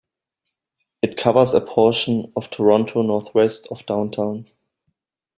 It covers a portion of Toronto northwest of downtown.